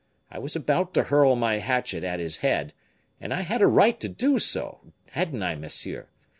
I was about to hurl my hatchet at his head, and I had a right to do so, hadn't I, monsieur?